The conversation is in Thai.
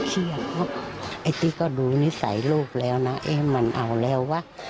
เครียดเพราะไอ้ติ๊กก็ดูนิสัยลูกแล้วน่ะเอ้ยมันเอาแล้วว่า